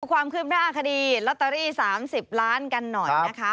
ความคืบหน้าคดีลอตเตอรี่๓๐ล้านกันหน่อยนะคะ